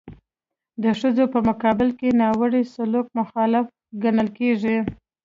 د ښځو په مقابل کې ناوړه سلوک مخالف ګڼل کیږي.